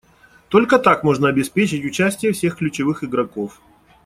Только так можно обеспечить участие всех ключевых игроков.